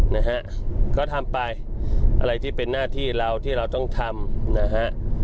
นะฮะก็ทำไปอะไรที่เป็นหน้าที่เราที่เราต้องทำนะฮะ